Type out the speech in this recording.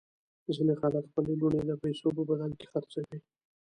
ځینې خلک خپلې لوڼې د پیسو په بدل کې خرڅوي.